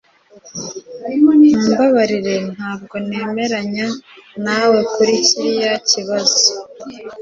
Mumbabarire ntabwo nemeranya nawe kuri kiriya kibazo